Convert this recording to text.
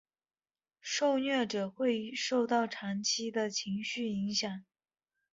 受虐者会受到长期的情绪影响。